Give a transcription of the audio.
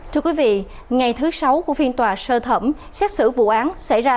thưa quý vị ngày thứ sáu của phiên tòa sơ thẩm xét xử vụ án xảy ra